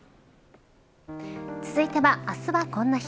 続いては、あすはこんな日。